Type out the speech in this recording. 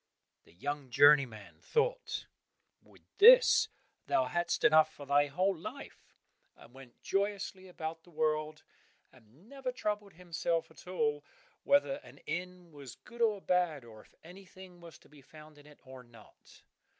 The young journeyman thought, "With this thou hast enough for thy whole life," and went joyously about the world and never troubled himself at all whether an inn was good or bad, or if anything was to be found in it or not.